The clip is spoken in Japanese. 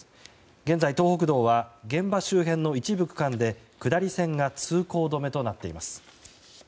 現在、東北道は現場周辺の一部区間で下り線が通行止めとなっています。